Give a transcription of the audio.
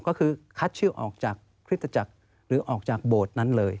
ก็คือคัดชื่อออกจากคริสตจักรหรือออกจากโบสถ์นั้นเลย